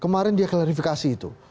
kemarin dia klarifikasi itu